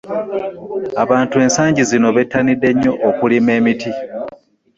Abantu ensangi zino bettanidde nnyo okulima emiti.